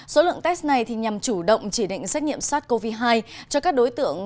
số lượng test này nhằm chủ động chỉ định xét nghiệm sars cov hai cho các đối tượng